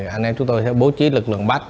anh em chúng tôi sẽ bố trí lực lượng bắt